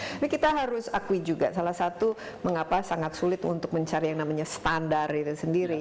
tapi kita harus akui juga salah satu mengapa sangat sulit untuk mencari yang namanya standar itu sendiri